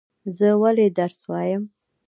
زه ولی درس وایم؟